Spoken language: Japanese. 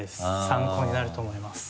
参考になると思います。